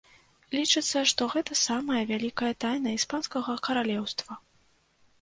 Лічыцца, што гэта самая вялікая тайна іспанскага каралеўства.